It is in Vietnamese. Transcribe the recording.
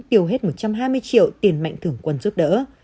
tiêu hết một trăm hai mươi triệu tiền mạnh thưởng quân giúp đỡ